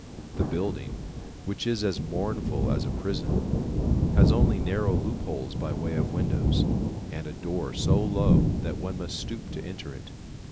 The building, which is as mournful as a prison, has only narrow loopholes by way of windows, and a door so low that one must stoop to enter it.